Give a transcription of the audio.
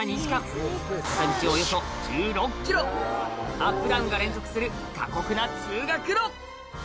アップダウンが連続する過酷な通学路